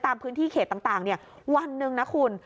ตามพื้นที่เขตต่างวันหนึ่งนะคุณ